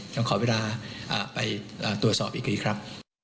ยังขอเวลาไปตรวจสอบอีกทีครับ